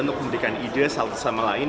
untuk memberikan ide satu sama lain